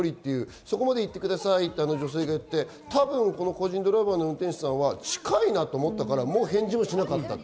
そこまで行ってくださいと言った時、個人ドライバーの運転手さんは近いなと思ったので返事もしなかった。